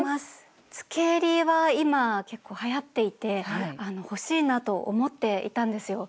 つけえりは今結構はやっていて欲しいなと思っていたんですよ。